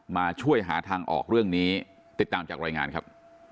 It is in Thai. มาช่วยหาทางออกเรื่องนี้ติดตามจากรายงานครับ